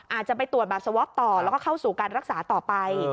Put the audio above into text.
อาจจะไปตรวจแบบสวอปต่อแล้วก็เข้าสู่การรักษาต่อไป